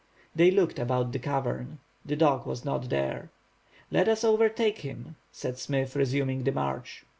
They looked about the cavern. The dog was not there. "Let us overtake him," said Smith, resuming the march.